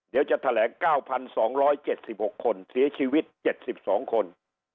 เดี๋ยวจะแถลง๙๒๗๖คนเสียชีวิต๗๒คน